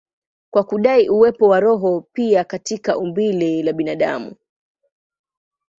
kwa kudai uwepo wa roho pia katika umbile la binadamu.